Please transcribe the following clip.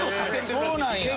そうなんや。